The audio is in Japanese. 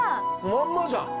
まんまじゃん。